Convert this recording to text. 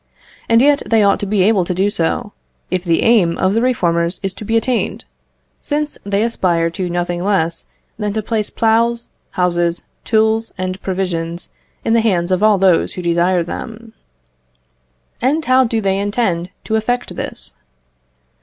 And yet they ought to be able to do so, if the aim of the reformers is to be attained, since they aspire to nothing less than to place ploughs, houses, tools, and provisions in the hands of all those who desire them. And how do they intend to effect this?